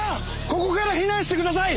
ここから避難してください！